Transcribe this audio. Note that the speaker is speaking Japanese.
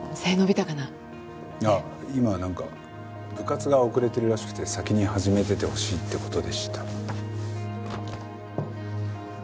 ああ今なんか部活が遅れてるらしくて先に始めててほしいって事でした。